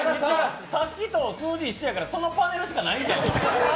さっきと数字一緒やから、そのパネルしかないんじゃないの？